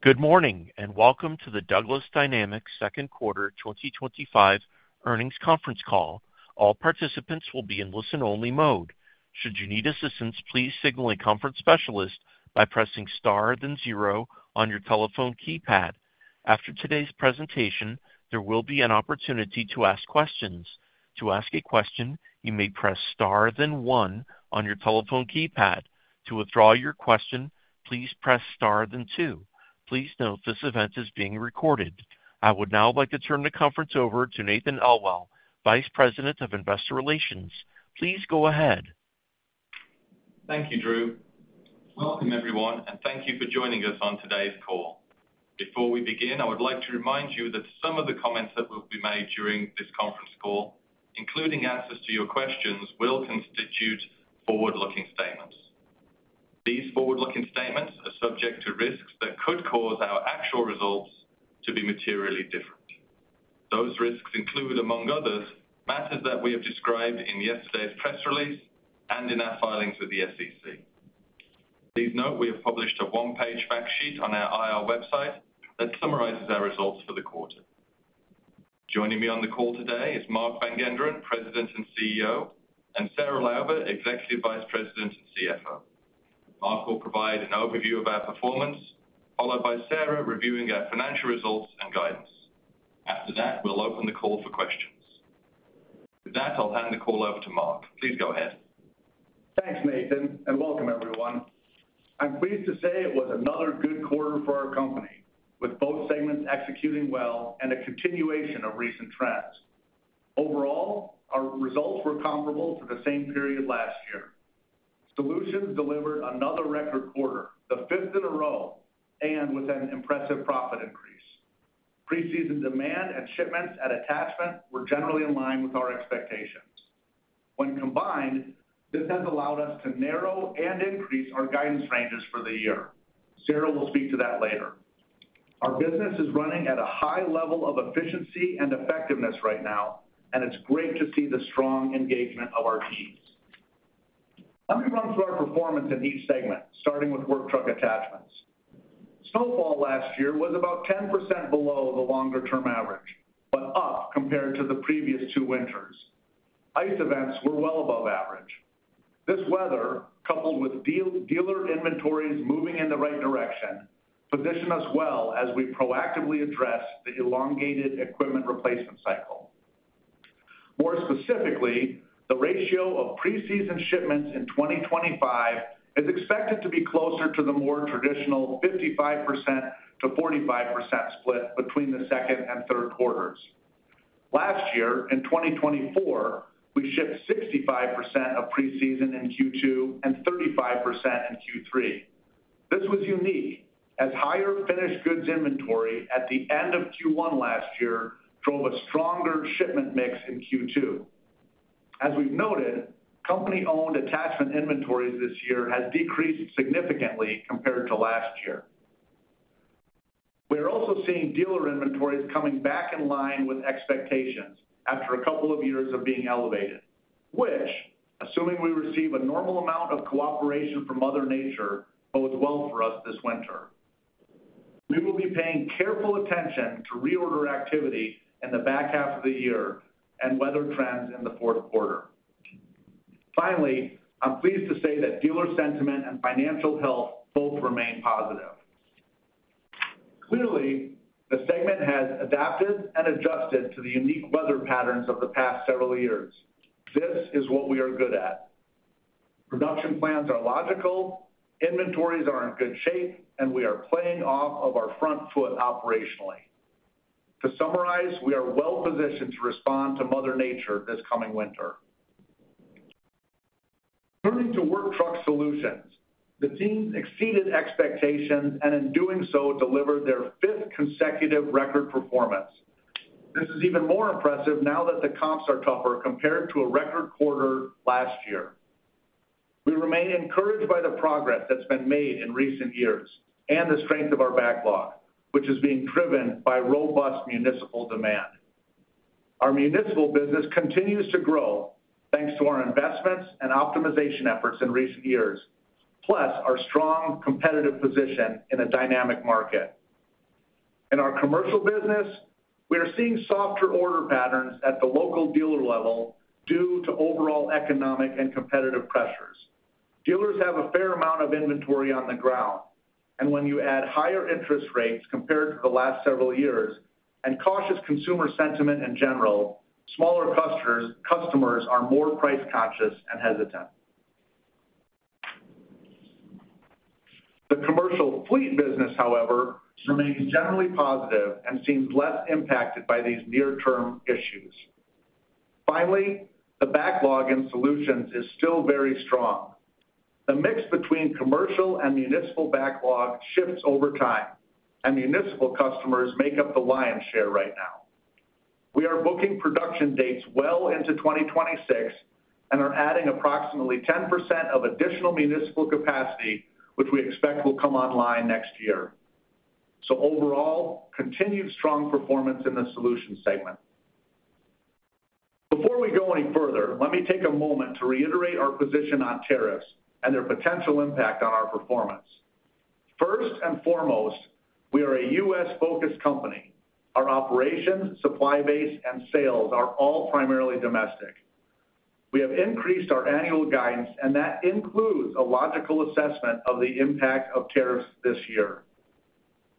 Good morning and welcome to the Douglas Dynamics Second Quarter 2025 Earnings Conference Call. All participants will be in listen-only mode. Should you need assistance, please signal a conference specialist by pressing star, then zero on your telephone keypad. After today's presentation, there will be an opportunity to ask questions. To ask a question, you may press star, then one on your telephone keypad. To withdraw your question, please press star, then two. Please note this event is being recorded. I would now like to turn the conference over to Nathan Elwell, Vice President of Investor Relations. Please go ahead. Thank you, Drew. Welcome, everyone, and thank you for joining us on today's call. Before we begin, I would like to remind you that some of the comments that will be made during this conference call, including answers to your questions, will constitute forward-looking statements. These forward-looking statements are subject to risks that could cause our actual results to be materially different. Those risks include, among others, matters that we have described in yesterday's press release and in our filings with the SEC. Please note we have published a one-page fact sheet on our IR website that summarizes our results for the quarter. Joining me on the call today is Mark Van Genderen, President and CEO, and Sarah Lauber, Executive Vice President and CFO. Mark will provide an overview of our performance, followed by Sarah reviewing our financial results and guidance. After that, we'll open the call for questions. With that, I'll hand the call over to Mark. Please go ahead. Thanks, Nathan, and welcome, everyone. I'm pleased to say it was another good quarter for our company, with both segments executing well and a continuation of recent trends. Overall, our results were comparable to the same period last year. Solutions delivered another record quarter, the fifth in a row, and with an impressive profit increase. Pre-season demand and shipments at attachment were generally in line with our expectations. When combined, this has allowed us to narrow and increase our guidance ranges for the year. Sarah will speak to that later. Our business is running at a high level of efficiency and effectiveness right now, and it's great to see the strong engagement of our team. Let me run through our performance in each segment, starting with work truck attachments. Snowfall last year was about 10% below the longer-term average, but up compared to the previous two winters. Ice events were well above average. This weather, coupled with dealer inventories moving in the right direction, positioned us well as we proactively addressed the elongated equipment replacement cycle. More specifically, the ratio of pre-season shipments in 2025 is expected to be closer to the more traditional 55%-45% split between the second and third quarters. Last year, in 2024, we shipped 65% of pre-season in Q2 and 35% in Q3. This was unique, as higher finished goods inventory at the end of Q1 last year drove a stronger shipment mix in Q2. As we've noted, company-owned attachment inventories this year have decreased significantly compared to last year. We're also seeing dealer inventories coming back in line with expectations after a couple of years of being elevated, which, assuming we receive a normal amount of cooperation from Mother Nature, bodes well for us this winter. We will be paying careful attention to reorder activity in the back half of the year and weather trends in the fourth quarter. Finally, I'm pleased to say that dealer sentiment and financial health both remain positive. Clearly, the segment has adapted and adjusted to the unique weather patterns of the past several years. This is what we are good at. Production plans are logical, inventories are in good shape, and we are playing off of our front foot operationally. To summarize, we are well positioned to respond to Mother Nature this coming winter. Turning to work truck solutions, the team exceeded expectations and, in doing so, delivered their fifth consecutive record performance. This is even more impressive now that the comps are tougher compared to a record quarter last year. We remain encouraged by the progress that's been made in recent years and the strength of our backlog, which is being driven by robust municipal demand. Our municipal business continues to grow thanks to our investments and optimization efforts in recent years, plus our strong competitive position in a dynamic market. In our commercial business, we are seeing softer order patterns at the local dealer level due to overall economic and competitive pressures. Dealers have a fair amount of inventory on the ground, and when you add higher interest rates compared to the last several years and cautious consumer sentiment in general, smaller customers are more price-conscious and hesitant. The commercial fleet business, however, remains generally positive and seems less impacted by these near-term issues. Finally, the backlog in Solutions is still very strong. The mix between commercial and municipal backlog shifts over time, and municipal customers make up the lion's share right now. We are booking production dates well into 2026 and are adding approximately 10% of additional municipal capacity, which we expect will come online next year. Overall, continued strong performance in the Solutions segment. Before we go any further, let me take a moment to reiterate our position on tariffs and their potential impact on our performance. First and foremost, we are a U.S.-focused company. Our operations, supply base, and sales are all primarily domestic. We have increased our annual guidance, and that includes a logical assessment of the impact of tariffs this year.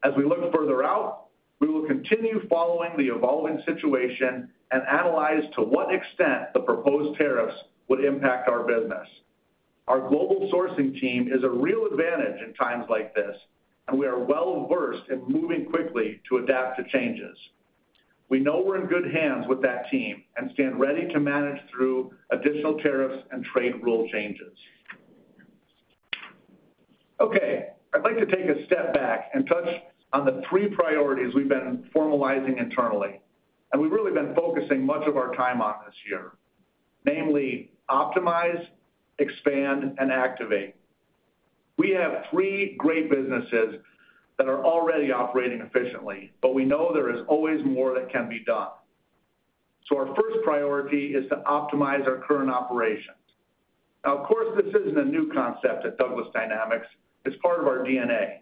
As we look further out, we will continue following the evolving situation and analyze to what extent the proposed tariffs would impact our business. Our global sourcing team is a real advantage in times like this, and we are well versed in moving quickly to adapt to changes. We know we're in good hands with that team and stand ready to manage through additional tariffs and trade rule changes. I'd like to take a step back and touch on the three priorities we've been formalizing internally, and we've really been focusing much of our time on this year, namely optimize, expand, and activate. We have three great businesses that are already operating efficiently, but we know there is always more that can be done. Our first priority is to optimize our current operations. Now, of course, this isn't a new concept at Douglas Dynamics, it's part of our DNA.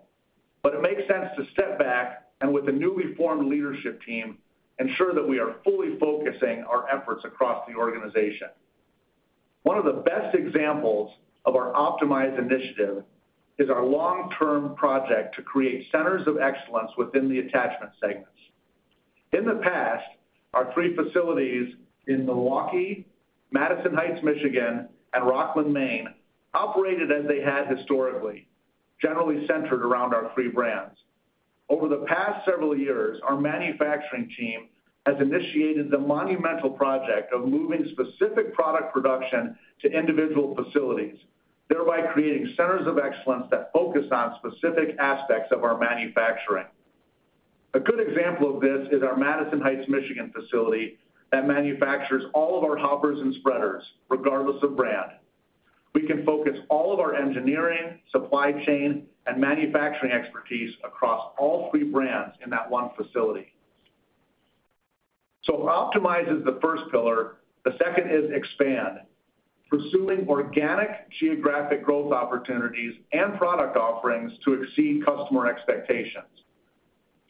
It makes sense to step back and, with the newly formed leadership team, ensure that we are fully focusing our efforts across the organization. One of the best examples of our optimized initiative is our long-term project to create centers of excellence within the attachment segments. In the past, our three facilities in Milwaukee, Madison Heights, Michigan, and Rockland, Maine operated as they had historically, generally centered around our three brands. Over the past several years, our manufacturing team has initiated the monumental project of moving specific product production to individual facilities, thereby creating centers of excellence that focus on specific aspects of our manufacturing. A good example of this is our Madison Heights, Michigan facility that manufactures all of our hoppers and spreaders, regardless of brand. We can focus all of our engineering, supply chain, and manufacturing expertise across all three brands in that one facility. If optimize is the first pillar, the second is expand, pursuing organic geographic growth opportunities and product offerings to exceed customer expectations.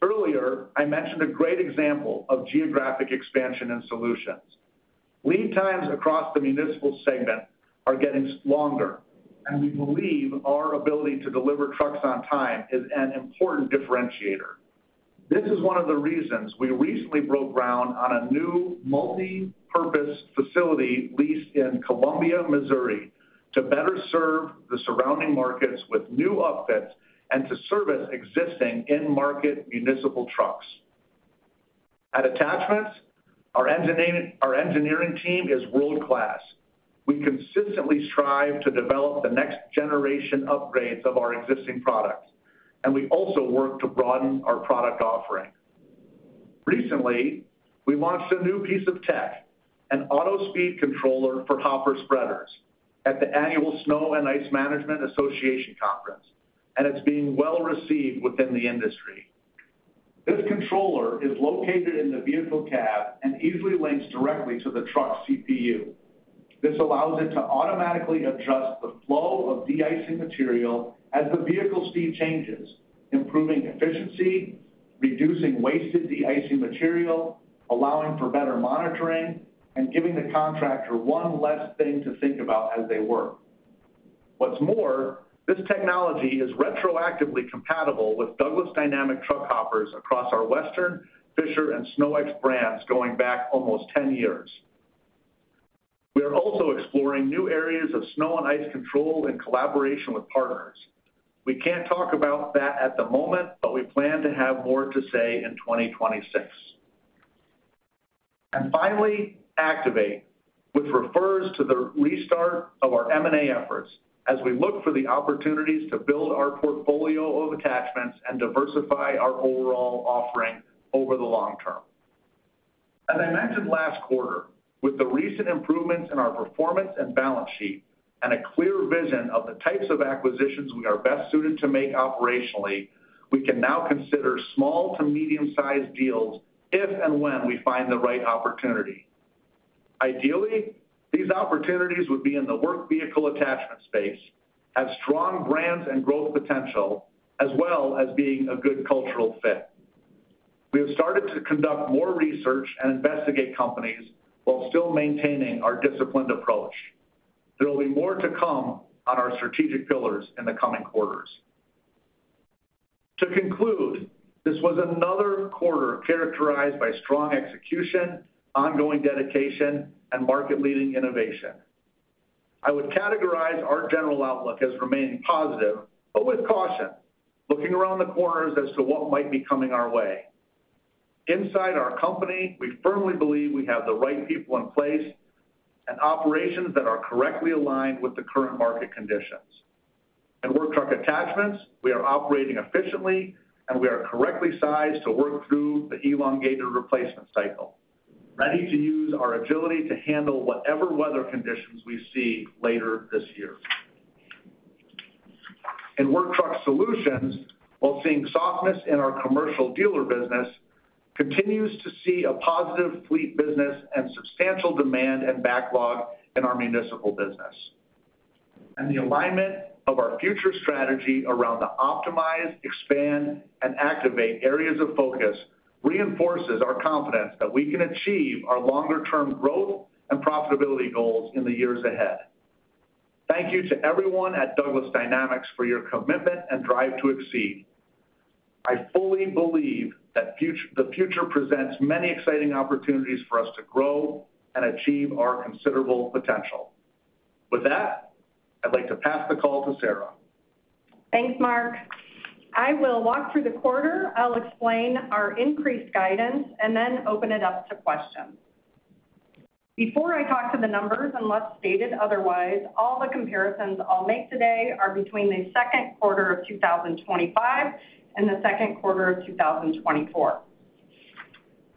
Earlier, I mentioned a great example of geographic expansion in Solutions. Lead times across the municipal segment are getting longer, and we believe our ability to deliver trucks on time is an important differentiator. This is one of the reasons we recently broke ground on a new multi-purpose facility leased in Columbia, Missouri, to better serve the surrounding markets with new upfits and to service existing in-market municipal trucks. At attachments, our engineering team is world-class. We consistently strive to develop the next-generation upgrades of our existing products, and we also work to broaden our product offering. Recently, we launched a new piece of tech, an auto speed controller for hopper spreaders, at the annual Snow and Ice Management Association Conference, and it's being well received within the industry. This controller is located in the vehicle cab and easily links directly to the truck's CPU. This allows it to automatically adjust the flow of deicing material as the vehicle speed changes, improving efficiency, reducing wasted deicing material, allowing for better monitoring, and giving the contractor one less thing to think about as they work. What's more, this technology is retroactively compatible with Douglas Dynamics truck hoppers across our Western, Fisher, and SnowEx brands going back almost 10 years. We are also exploring new areas of snow and ice control in collaboration with partners. We can't talk about that at the moment, but we plan to have more to say in 2026. Finally, activate, which refers to the restart of our M&A efforts as we look for the opportunities to build our portfolio of attachments and diversify our overall offering over the long term. As I mentioned last quarter, with the recent improvements in our performance and balance sheet and a clear vision of the types of acquisitions we are best suited to make operationally, we can now consider small to medium-sized deals if and when we find the right opportunity. Ideally, these opportunities would be in the work vehicle attachment space, have strong brands and growth potential, as well as being a good cultural fit. We have started to conduct more research and investigate companies while still maintaining our disciplined approach. There will be more to come on our strategic pillars in the coming quarters. To conclude, this was another quarter characterized by strong execution, ongoing dedication, and market-leading innovation. I would categorize our general outlook as remaining positive, but with caution, looking around the corners as to what might be coming our way. Inside our company, we firmly believe we have the right people in place and operations that are correctly aligned with the current market conditions. In work truck attachments, we are operating efficiently, and we are correctly sized to work through the elongated replacement cycle, ready to use our agility to handle whatever weather conditions we see later this year. In work truck solutions, while seeing softness in our commercial dealer business, continues to see a positive fleet business and substantial demand and backlog in our municipal business. The alignment of our future strategy around the optimize, expand, and activate areas of focus reinforces our confidence that we can achieve our longer-term growth and profitability goals in the years ahead. Thank you to everyone at Douglas Dynamics for your commitment and drive to exceed. I fully believe that the future presents many exciting opportunities for us to grow and achieve our considerable potential. With that, I'd like to pass the call to Sarah. Thanks, Mark. I will walk through the quarter. I'll explain our increased guidance and then open it up to questions. Before I talk to the numbers, unless stated otherwise, all the comparisons I'll make today are between the second quarter of 2025 and the second quarter of 2024.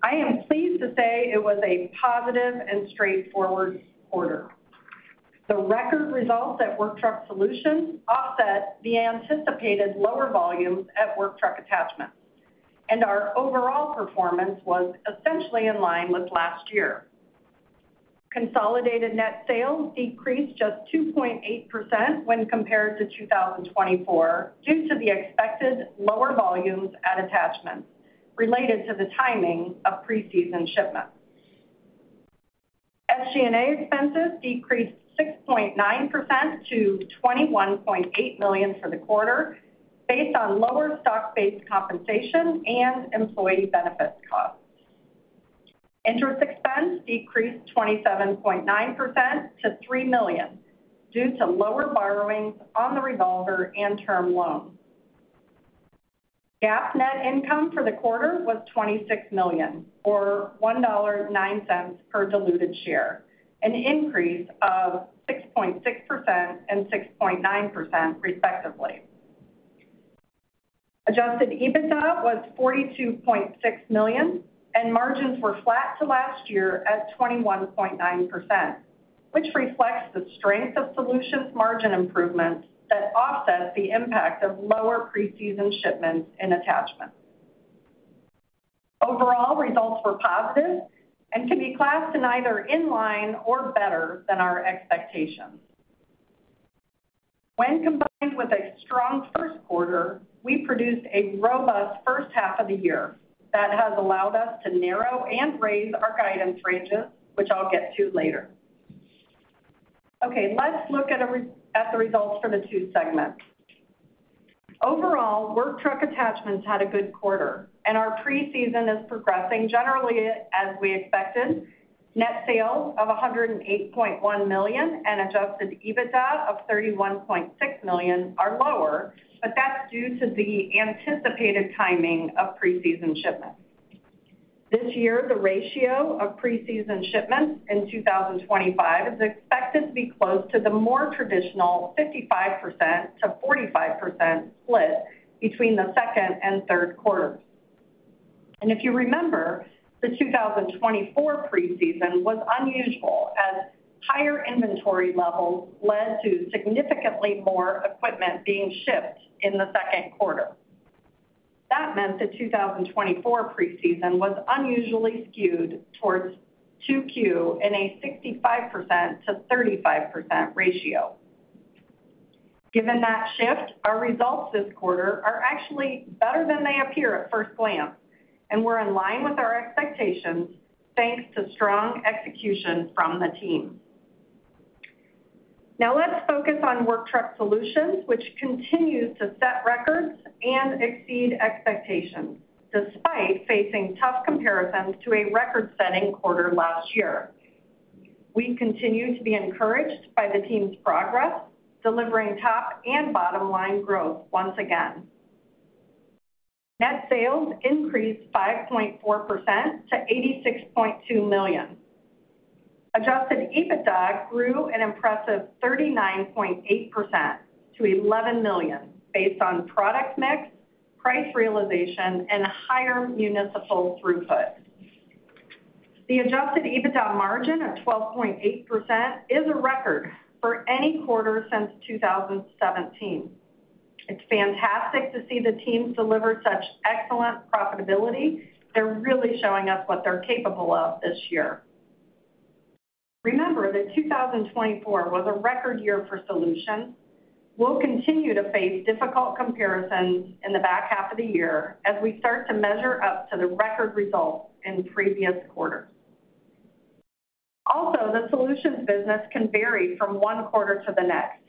I am pleased to say it was a positive and straightforward quarter. The record results at Work Truck Solutions offset the anticipated lower volumes at Work Truck Attachments, and our overall performance was essentially in line with last year. Consolidated net sales decreased just 2.8% when compared to 2024 due to the expected lower volumes at attachments related to the timing of pre-season shipments. SG&A expenses decreased 6.9% to $21.8 million for the quarter based on lower stock-based compensation and employee benefits costs. Interest expense decreased 27.9% to $3 million due to lower borrowings on the revolver and term loans. GAAP net income for the quarter was $26 million, or $1.09 per diluted share, an increase of 6.6% and 6.9% respectively. Adjusted EBITDA was $42.6 million, and margins were flat to last year at 21.9%, which reflects the strength of Solutions' margin improvements that offset the impact of lower pre-season shipments in attachments. Overall, results were positive and can be classed in either in-line or better than our expectations. When combined with a strong first quarter, we produced a robust first half of the year that has allowed us to narrow and raise our guidance ranges, which I'll get to later. Okay, let's look at the results for the two segments. Overall, Work Truck Attachments had a good quarter, and our pre-season is progressing generally as we expected. Net sales of $108.1 million and adjusted EBITDA of $31.6 million are lower, but that's due to the anticipated timing of pre-season shipments. This year, the ratio of pre-season shipments in 2025 is expected to be close to the more traditional 55%-45% split between the second and third quarters. If you remember, the 2024 pre-season was unusual as higher inventory levels led to significantly more equipment being shipped in the second quarter. That meant the 2024 pre-season was unusually skewed towards Q2 in a 65%-35% ratio. Given that shift, our results this quarter are actually better than they appear at first glance, and we're in line with our expectations thanks to strong execution from the team. Now, let's focus on Work Truck Solutions, which continues to set records and exceed expectations despite facing tough comparisons to a record-setting quarter last year. We continue to be encouraged by the team's progress, delivering top and bottom-line growth once again. Net sales increased 5.4% to $86.2 million. Adjusted EBITDA grew an impressive 39.8% to $11 million based on product mix, price realization, and higher municipal throughput. The adjusted EBITDA margin of 12.8% is a record for any quarter since 2017. It's fantastic to see the teams deliver such excellent profitability. They're really showing us what they're capable of this year. Remember that 2024 was a record year for Solutions. We'll continue to face difficult comparisons in the back half of the year as we start to measure up to the record results in the previous quarter. Also, the Solutions business can vary from one quarter to the next.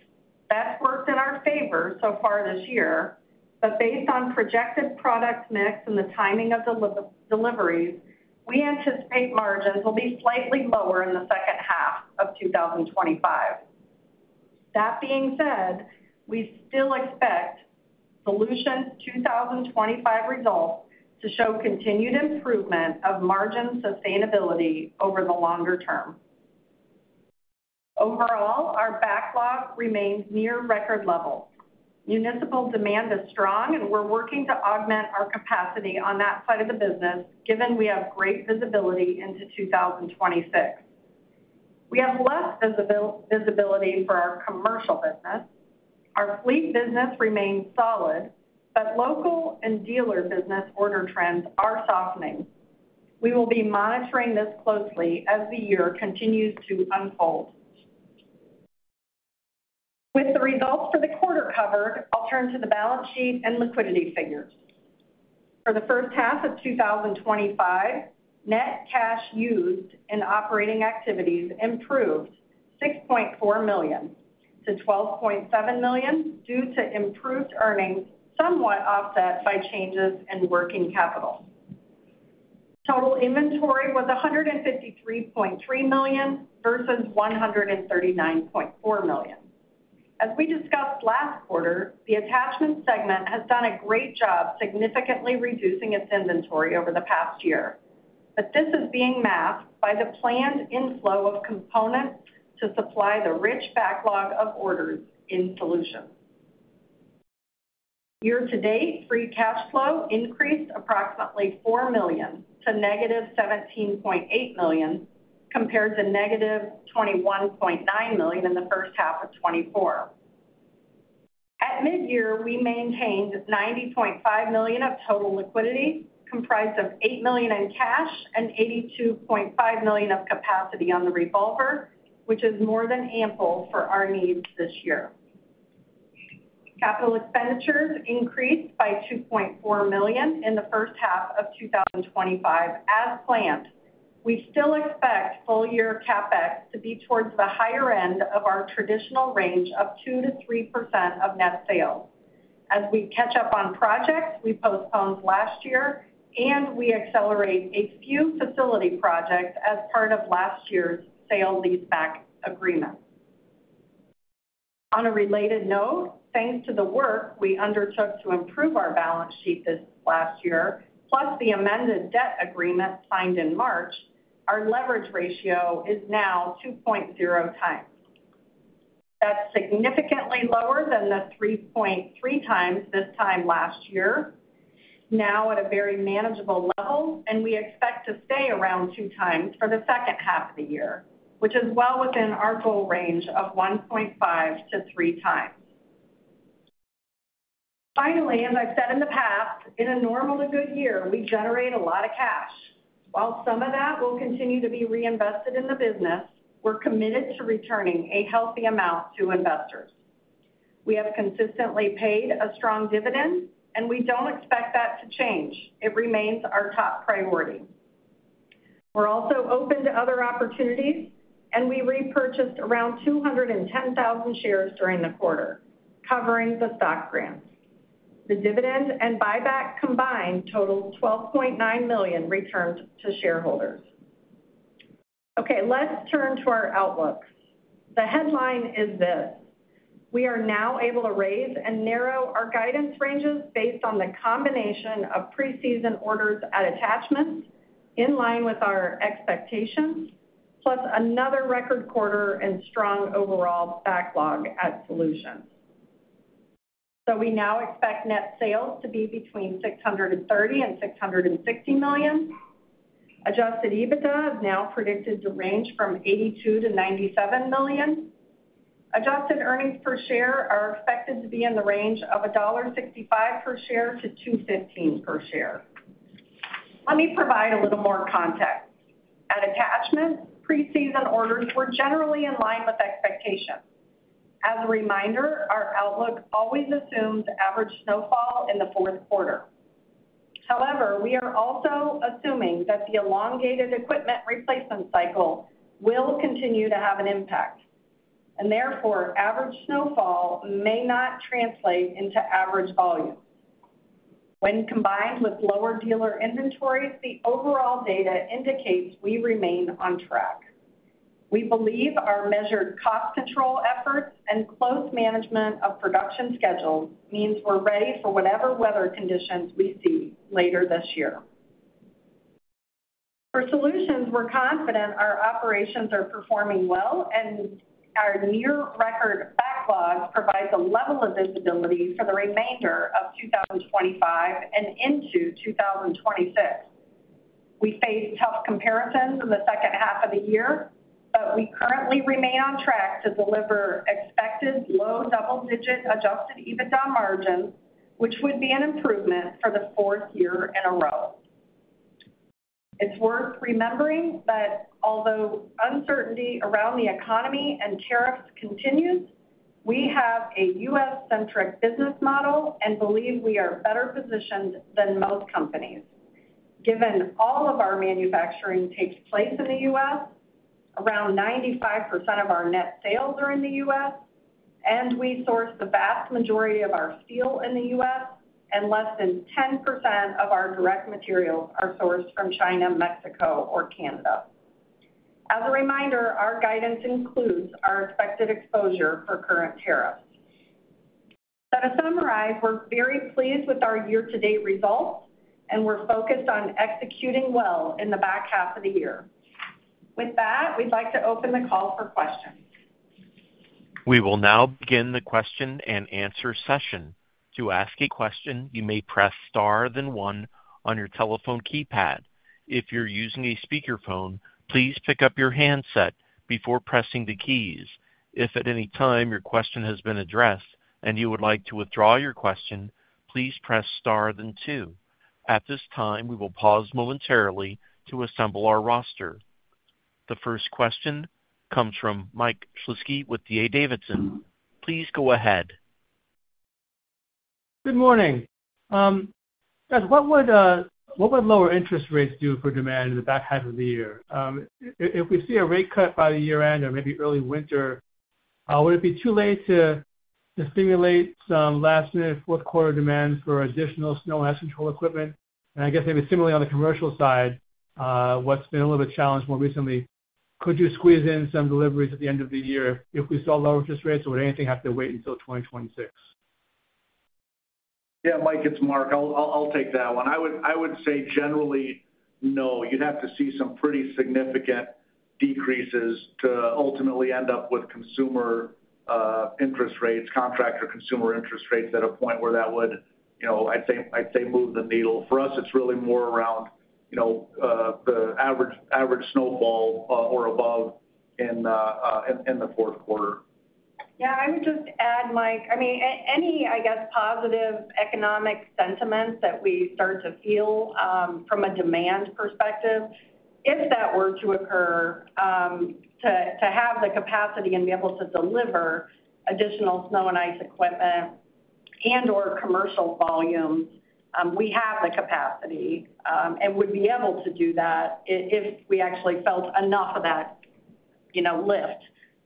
That's worked in our favor so far this year, but based on projected product mix and the timing of deliveries, we anticipate margins will be slightly lower in the second half of 2025. That being said, we still expect Solutions' 2025 results to show continued improvement of margin sustainability over the longer term. Overall, our backlog remains near record levels. Municipal demand is strong, and we're working to augment our capacity on that side of the business given we have great visibility into 2026. We have less visibility for our commercial business. Our fleet business remains solid, but local and dealer business order trends are softening. We will be monitoring this closely as the year continues to unfold. With the results for the quarter covered, I'll turn to the balance sheet and liquidity figures. For the first half of 2025, net cash used in operating activities improved $6.4 million-$12.7 million due to improved earnings somewhat offset by changes in working capital. Total inventory was $153.3 million versus $139.4 million. As we discussed last quarter, the attachment segment has done a great job significantly reducing its inventory over the past year, but this is being masked by the planned inflow of components to supply the rich backlog of orders in Solutions. Year-to-date, free cash flow increased approximately $4 million to -$17.8 million compared to -$21.9 million in the first half of 2024. At mid-year, we maintained $90.5 million of total liquidity, comprised of $8 million in cash and $82.5 million of capacity on the revolver, which is more than ample for our needs this year. Capital expenditures increased by $2.4 million in the first half of 2025 as planned. We still expect full-year CapEx to be towards the higher end of our traditional range of 2%-3% of net sales. As we catch up on projects we postponed last year, we accelerate a few facility projects as part of last year's sales leaseback agreement. On a related note, thanks to the work we undertook to improve our balance sheet this last year, plus the amended debt agreement signed in March, our leverage ratio is now 2.0x. That's significantly lower than the 3.3x this time last year, now at a very manageable level, and we expect to stay around 2x for the second half of the year, which is well within our goal range of 1.5x to 3x. Finally, as I've said in the past, in a normal to good year, we generate a lot of cash. While some of that will continue to be reinvested in the business, we're committed to returning a healthy amount to investors. We have consistently paid a strong dividend, and we don't expect that to change. It remains our top priority. We're also open to other opportunities, and we repurchased around 210,000 shares during the quarter, covering the stock grant. The dividend and buyback combined totaled $12.9 million returns to shareholders. Okay, let's turn to our outlook. The headline is this: we are now able to raise and narrow our guidance ranges based on the combination of pre-season orders at Attachments in line with our expectations, plus another record quarter and strong overall backlog at Solutions. We now expect net sales to be between $630 million and $660 million. Adjusted EBITDA is now predicted to range from $82 million-$97 million. Adjusted earnings per share are expected to be in the range of $1.65 per share to $2.15 per share. Let me provide a little more context. At Attachments, pre-season orders were generally in line with expectations. As a reminder, our outlook always assumes average snowfall in the fourth quarter. However, we are also assuming that the elongated equipment replacement cycle will continue to have an impact, and therefore, average snowfall may not translate into average volume. When combined with lower dealer inventories, the overall data indicates we remain on track. We believe our measured cost control efforts and close management of production schedules mean we're ready for whatever weather conditions we see later this year. For Solutions, we're confident our operations are performing well, and our near-record backlog provides a level of visibility for the remainder of 2025 and into 2026. We face tough comparisons in the second half of the year, but we currently remain on track to deliver expected low double-digit adjusted EBITDA margins, which would be an improvement for the fourth year in a row. It's worth remembering that although uncertainty around the economy and tariffs continues, we have a U.S.-centric business model and believe we are better positioned than most companies. Given all of our manufacturing takes place in the U.S., around 95% of our net sales are in the U.S., and we source the vast majority of our steel in the U.S., and less than 10% of our direct materials are sourced from China, Mexico, or Canada. As a reminder, our guidance includes our expected exposure for current tariffs. To summarize, we're very pleased with our year-to-date results, and we're focused on executing well in the back half of the year. With that, we'd like to open the call for questions. We will now begin the question and answer session. To ask a question, you may press star then one on your telephone keypad. If you're using a speakerphone, please pick up your handset before pressing the keys. If at any time your question has been addressed and you would like to withdraw your question, please press star then two. At this time, we will pause momentarily to assemble our roster. The first question comes from Mike Shlisky with D.A. Davidson. Please go ahead. Good morning. What would lower interest rates do for demand in the back half of the year? If we see a rate cut by the year-end or maybe early winter, would it be too late to stimulate some last-minute fourth-quarter demand for additional snow and ice control equipment? I guess maybe similarly on the commercial side, what's been a little bit challenged more recently, could you squeeze in some deliveries at the end of the year? If we saw lower interest rates, would anything have to wait until 2026? Yeah, Mike, it's Mark. I'll take that one. I would say generally no. You'd have to see some pretty significant decreases to ultimately end up with consumer interest rates, contractor consumer interest rates at a point where that would, you know, I'd say move the needle. For us, it's really more around the average snowfall or above in the fourth quarter. Yeah, I would just add, Mike, any positive economic sentiment that we start to feel from a demand perspective, if that were to occur, to have the capacity and be able to deliver additional snow and ice equipment and/or commercial volumes, we have the capacity and would be able to do that if we actually felt enough of that lift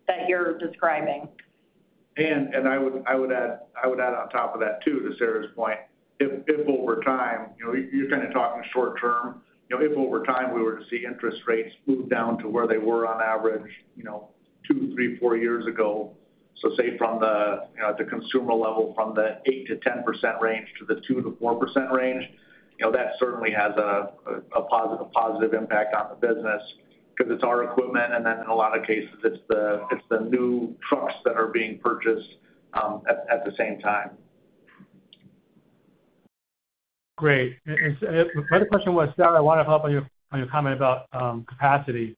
that you're describing. I would add on top of that too, to Sarah's point, if over time, you know, you're kind of talking short term, you know, if over time we were to see interest rates smooth down to where they were on average, you know, two, three, four years ago, so say from the, you know, at the consumer level, from the 8%-10% range to the 2%-4% range, you know, that certainly has a positive impact on the business because it's our equipment and then in a lot of cases, it's the new trucks that are being purchased at the same time. Great. My other question was, Sarah, I want to follow up on your comment about capacity.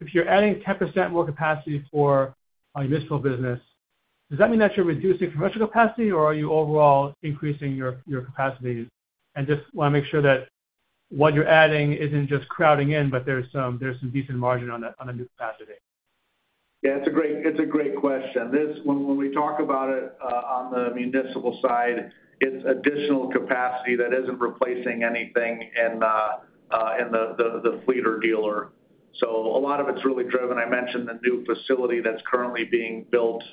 If you're adding 10% more capacity for our municipal business, does that mean that you're reducing commercial capacity or are you overall increasing your capacity? I just want to make sure that what you're adding isn't just crowding in, but there's some decent margin on a new capacity. Yeah, it's a great question. When we talk about it on the municipal side, it's additional capacity that isn't replacing anything in the fleet or dealer. A lot of it's really driven, I mentioned, the new facility that's currently being built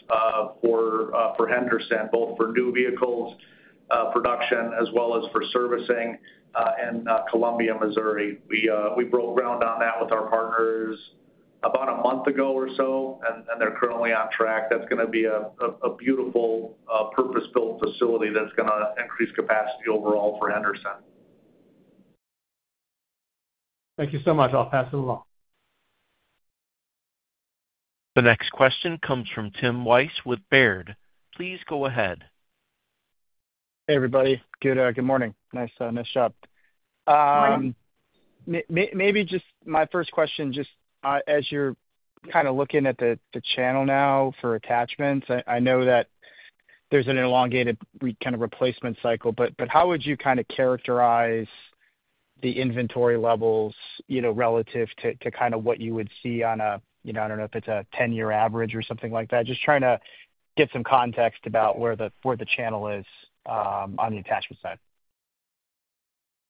for Henderson, both for new vehicles production as well as for servicing in Columbia, Missouri. We broke ground on that with our partners about a month ago or so, and they're currently on track. That's going to be a beautiful purpose-built facility that's going to increase capacity overall for Henderson. Thank you so much. I'll pass it along. The next question comes from Tim Wojs with Baird. Please go ahead. Hey, everybody. Good morning. Maybe just my first question, just as you're kind of looking at the channel now for attachments, I know that there's an elongated kind of replacement cycle, but how would you kind of characterize the inventory levels, you know, relative to kind of what you would see on a, you know, I don't know if it's a 10-year average or something like that, just trying to get some context about where the channel is on the attachment side.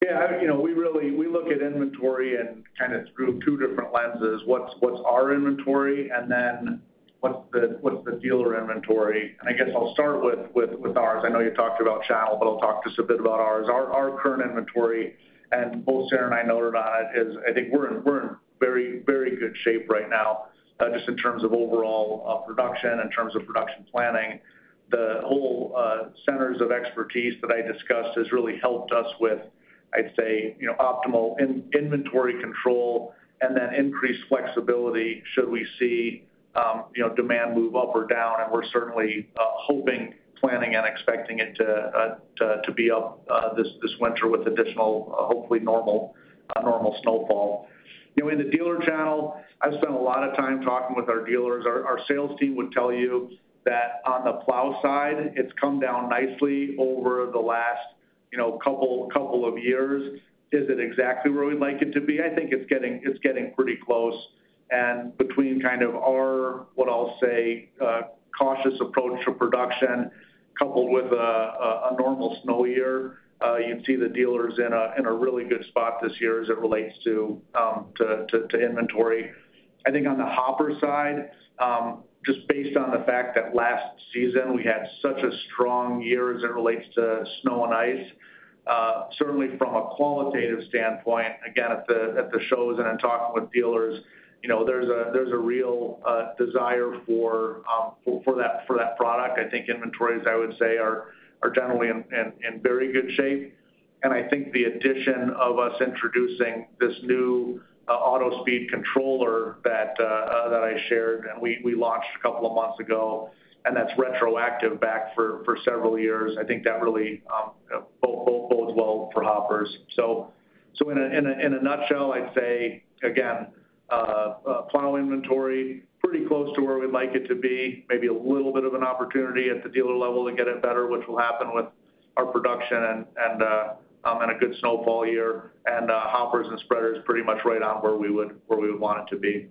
Yeah, you know, we really look at inventory kind of through two different lenses. What's our inventory and then what's the dealer inventory? I guess I'll start with ours. I know you talked about channel, but I'll talk just a bit about ours. Our current inventory, and both Sarah and I know that, is I think we're in very, very good shape right now, just in terms of overall production, in terms of production planning. The whole centers of excellence that I discussed has really helped us with, I'd say, optimal inventory control and then increased flexibility should we see demand move up or down. We're certainly hoping, planning, and expecting it to be up this winter with additional, hopefully, normal snowfall. In the dealer channel, I've spent a lot of time talking with our dealers. Our sales team would tell you that on the plow side, it's come down nicely over the last couple of years. Is it exactly where we'd like it to be? I think it's getting pretty close. Between kind of our, what I'll say, cautious approach to production coupled with a normal snow year, you'd see the dealers in a really good spot this year as it relates to inventory. I think on the hopper side, just based on the fact that last season we had such a strong year as it relates to snow and ice, certainly from a qualitative standpoint, again, at the shows and in talking with dealers, there's a real desire for that product. I think inventories, I would say, are generally in very good shape. I think the addition of us introducing this new auto speed controller that I shared, and we launched a couple of months ago, and that's retroactive back for several years, I think that really holds well for hoppers. In a nutshell, I'd say, again, plow inventory pretty close to where we'd like it to be, maybe a little bit of an opportunity at the dealer level to get it better, which will happen with our production and in a good snowfall year, and hoppers and spreaders pretty much right on where we would want it to be.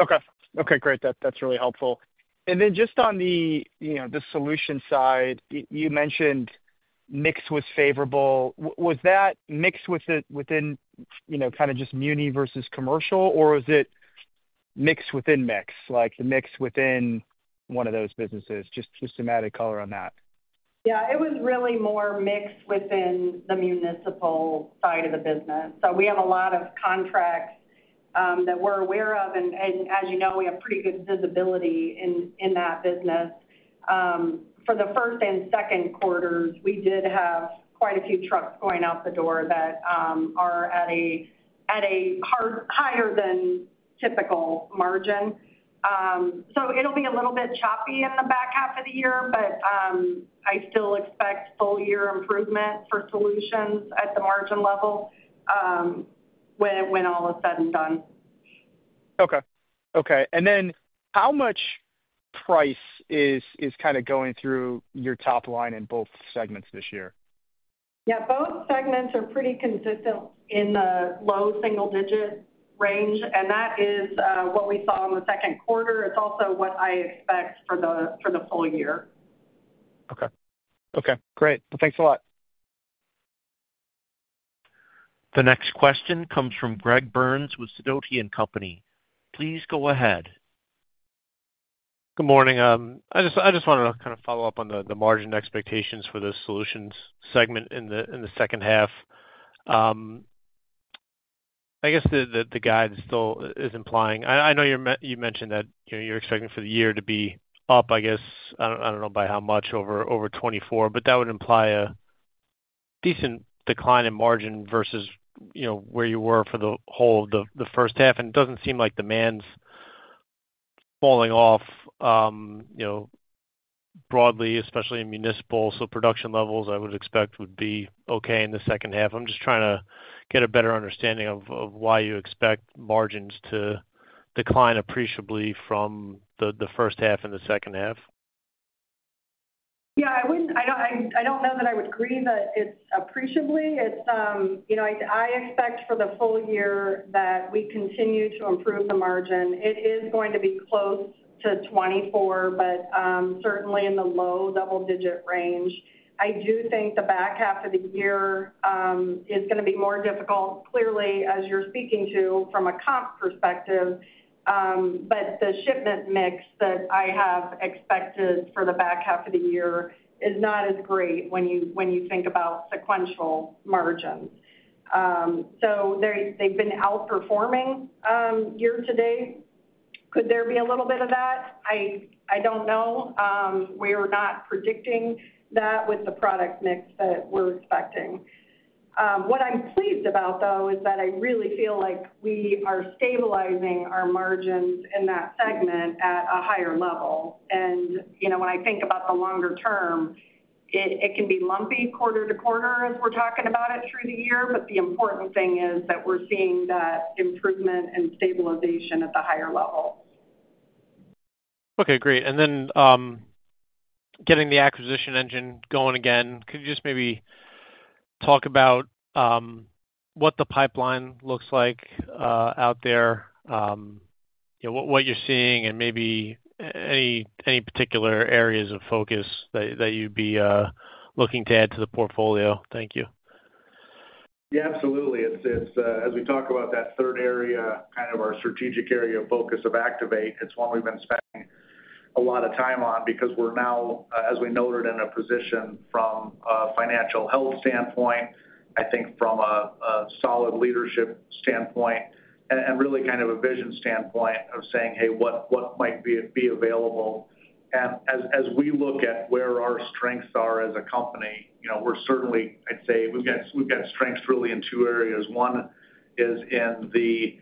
Okay, great. That's really helpful. On the solution side, you mentioned mix was favorable. Was that mix within, you know, kind of just muni versus commercial, or was it mix within mix, like the mix within one of those businesses? Just a matter of color on that. Yeah, it was really more mixed within the municipal side of the business. We have a lot of contracts that we're aware of, and as you know, we have pretty good visibility in that business. For the first and second quarters, we did have quite a few trucks going out the door that are at a higher than typical margin. It will be a little bit choppy at the back half of the year, but I still expect full-year improvement for Solutions at the margin level when all is said and done. Okay. How much price is kind of going through your top line in both segments this year? Yeah, both segments are pretty consistent in the low single-digit range, and that is what we saw in the second quarter. It's also what I expect for the full year. Okay, great. Thanks a lot. The next question comes from Greg Burns with Sidoti and Company. Please go ahead. Good morning. I just wanted to kind of follow up on the margin expectations for the Solutions segment in the second half. I guess the guide still is implying, I know you mentioned that you're expecting for the year to be up, I guess, I don't know by how much, over 2024, but that would imply a decent decline in margin versus where you were for the whole of the first half. It doesn't seem like demand's falling off, you know, broadly, especially in municipal. Production levels, I would expect, would be okay in the second half. I'm just trying to get a better understanding of why you expect margins to decline appreciably from the first half and the second half. Yeah, I wouldn't, I don't know that I would agree that it's appreciably. I expect for the full year that we continue to improve the margin. It is going to be close to 24%, but certainly in the low double-digit range. I do think the back half of the year is going to be more difficult, clearly, as you're speaking to from a comp perspective. The shipment mix that I have expected for the back half of the year is not as great when you think about sequential margins. They've been outperforming year to date. Could there be a little bit of that? I don't know. We're not predicting that with the product mix that we're expecting. What I'm pleased about, though, is that I really feel like we are stabilizing our margins in that segment at a higher level. When I think about the longer term, it can be lumpy quarter to quarter as we're talking about it through the year, but the important thing is that we're seeing that improvement and stabilization at the higher level. Okay, great. Getting the acquisition engine going again, could you just maybe talk about what the pipeline looks like out there? You know, what you're seeing and maybe any particular areas of focus that you'd be looking to add to the portfolio? Thank you. Yeah, absolutely. As we talk about that third area, kind of our strategic area of focus of Activate, it's one we've been spending a lot of time on because we're now, as we noted, in a position from a financial health standpoint, I think from a solid leadership standpoint, and really kind of a vision standpoint of saying, "Hey, what might be available?" As we look at where our strengths are as a company, you know, I'd say we've got strengths really in two areas. One is in the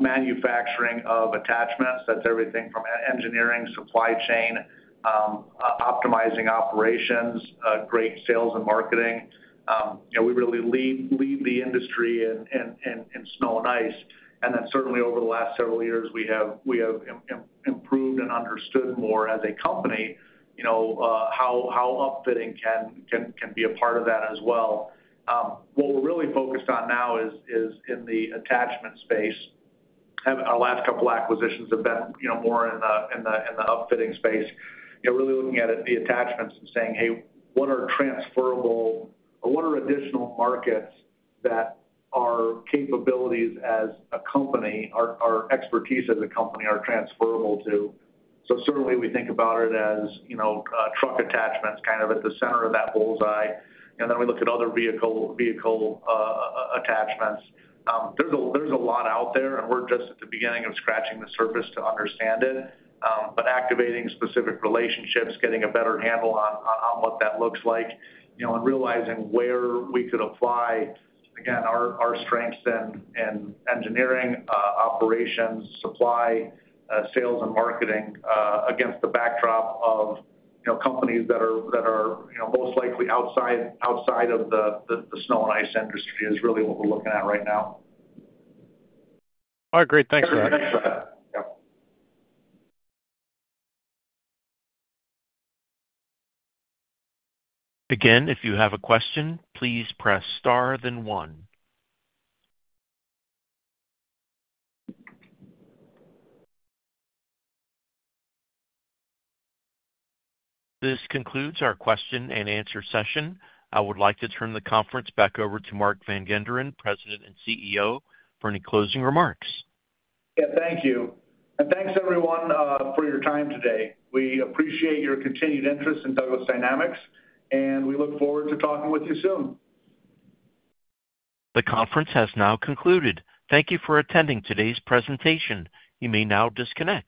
manufacturing of attachments. That's everything from engineering, supply chain, optimizing operations, great sales and marketing. You know, we really lead the industry in snow and ice. Certainly over the last several years we have improved and understood more as a company, you know, how upfitting can be a part of that as well. What we're really focused on now is in the attachment space. Our last couple of acquisitions have been more in the upfitting space. Really looking at the attachments and saying, "Hey, what are transferable, what are additional markets that our capabilities as a company, our expertise as a company are transferable to?" Certainly we think about it as, you know, truck attachments kind of at the center of that bullseye. Then we look at other vehicle attachments. There's a lot out there, and we're just at the beginning of scratching the surface to understand it. Activating specific relationships, getting a better handle on what that looks like, you know, and realizing where we could apply, again, our strengths in engineering, operations, supply, sales, and marketing against the backdrop of companies that are most likely outside of the snow and ice industry is really what we're looking at right now. All right, great. Thanks for that. Again, if you have a question, please press star then one. This concludes our question and answer session. I would like to turn the conference back over to Mark Van Genderen, President and CEO, for any closing remarks. Thank you. Thanks, everyone, for your time today. We appreciate your continued interest in Douglas Dynamics, and we look forward to talking with you soon. The conference has now concluded. Thank you for attending today's presentation. You may now disconnect.